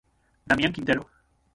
Damián Quintero.